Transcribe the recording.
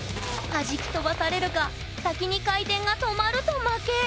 はじき飛ばされるか先に回転が止まると負け。